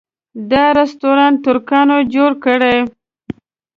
دا رسټورانټ ترکانو جوړه کړې.